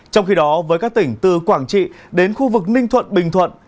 trong khi đó với các tỉnh từ quảng trị đến khu vực ninh thuận bình thuận